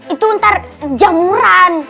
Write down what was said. itu ntar jamuran